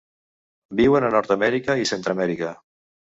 Viuen a Nord-amèrica i Centreamèrica.